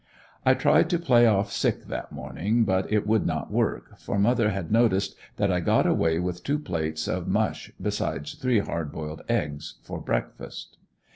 I tried to play off sick that morning but it would not work, for mother had noticed that I got away with two plates of mush besides three hard boiled eggs for breakfast.